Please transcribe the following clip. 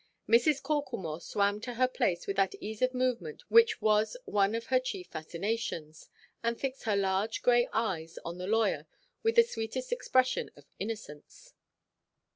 Mrs. Corklemore swam to her place with that ease of movement which was one of her chief fascinations, and fixed her large grey eyes on the lawyer with the sweetest expression of innocence.